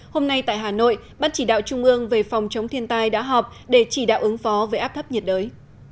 hôm nay tại hà nội ban chỉ đạo trung ương về phòng chống thiên tai đã họp để chỉ đạo ứng phó với áp thấp nhiệt đới